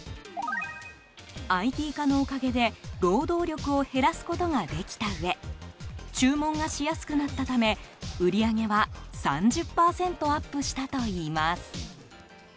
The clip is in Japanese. ＩＴ化のおかげで労働力を減らすことができたうえ注文がしやすくなったため売り上げは３０％アップしたといいます。